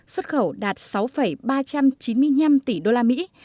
xuất khẩu đạt sáu ba trăm chín mươi năm tỷ usd